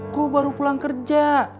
gue baru pulang kerja